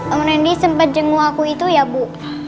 om randy sempet jenguk aku itu ya bu